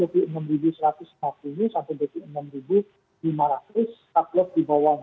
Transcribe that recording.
katlos di bawah dua puluh lima ribu enam ratus